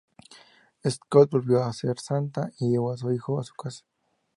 Scott volvió a ser Santa y llevó a su hijo a su casa.